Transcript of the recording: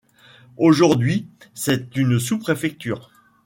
Aujourd'hui c'est une sous-préfecture.